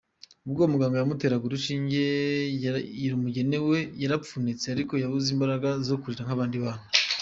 Ubwo umuganga yamuteraga urushinge rumugenewe yarafpunetse ariko yabuze imbaraga zo kurira nk’abandi bana.